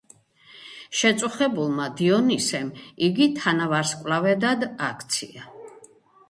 შეწუხებულმა დიონისემ იგი თანავარსკვლავედად აქცია.